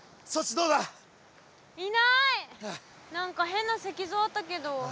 何か変な石像あったけど。